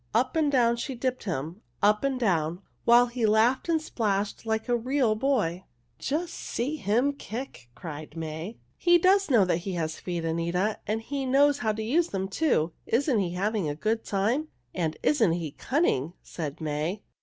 Up and down she dipped him, up and down, while he laughed and splashed like a real boy. [Illustration: Up and down she dipped him] "Just see him kick!" cried May. "He does know that he has feet, Anita, and he knows how to use them, too. Isn't he having a good time?" "And isn't he cunning?" said May.